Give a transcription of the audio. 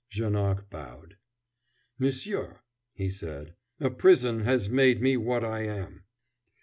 Janoc bowed. "Monsieur," he said, "a prison has made me what I am."